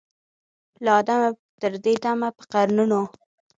له آدمه تر دې دمه په قرنونو